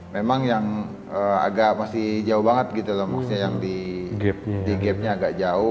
memang yang agak masih jauh banget gitu loh maksudnya yang di gapnya agak jauh